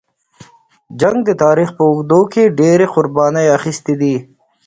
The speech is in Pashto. جنګ د تاریخ په اوږدو کې ډېرې قربانۍ اخیستې دي.